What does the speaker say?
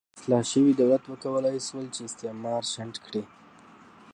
اصلاح شوي دولت وکولای شول چې استعمار شنډ کړي.